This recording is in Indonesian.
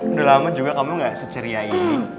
udah lama juga kamu gak seceriain